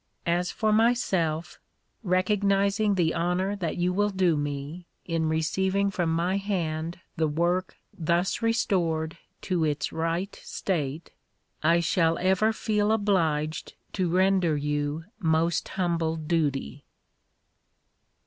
As for myself, recognising the honour that you will do me in receiving from my hand the work thus restored to its right state, I shall ever feel obliged to render you most humble duty.